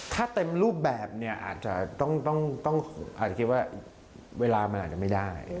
ถ้าเต็มรูปแบบเนี่ยอาจจะต้องอาจจะคิดว่าเวลามันอาจจะไม่ได้